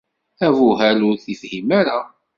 Abuhal ur t-ifhim ara.